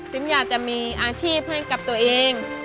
อยากจะมีอาชีพให้กับตัวเอง